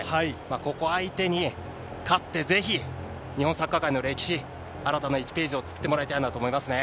ここ相手に勝って、ぜひ、日本サッカー界の歴史、新たな１ページを作ってもらいたいなと思いますね。